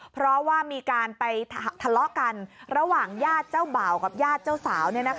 เพราะว่ามีการไปทะเลาะกันระหว่างญาติเจ้าบ่าวกับญาติเจ้าสาว